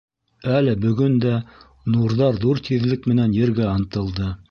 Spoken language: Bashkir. Әле бөгөн дә нурҙар ҙур тиҙлек менән Ергә ынтылды.